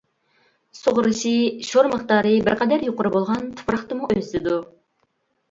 سۇغىرىشى، شور مىقدارى بىر قەدەر يۇقىرى بولغان تۇپراقتىمۇ ئۆسىدۇ.